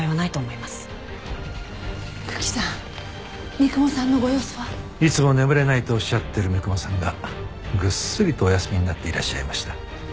いつも眠れないとおっしゃってる三雲さんがぐっすりとお休みになっていらっしゃいました。